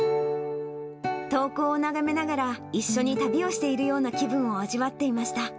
投稿を眺めながら、一緒に旅をしているような気分を味わっていました。